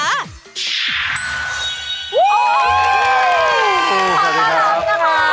สวัสดีครับ